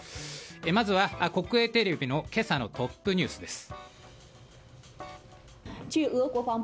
まずは、国営テレビの今朝のトップニュースです。